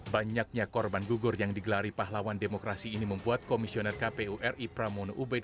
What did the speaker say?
banyaknya korban gugur yang digelari pahlawan demokrasi ini membuat komisioner kpu ri pramono ubed